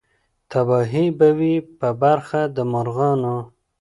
تباهي به وي په برخه د مرغانو